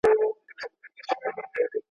که موږ کار وکړو نو پرمختګ کوو.